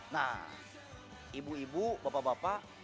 nah ibu ibu bapak bapak